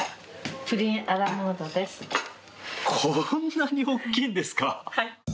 こんなに大きいんですか。